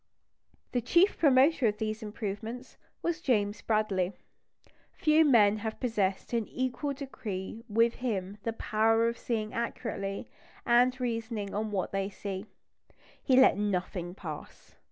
The chief promoter of these improvements was James Bradley. Few men have possessed in an equal degree with him the power of seeing accurately, and reasoning on what they see. He let nothing pass.